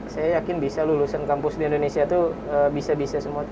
saya yakin bisa lulusan kampus di indonesia itu bisa bisa semua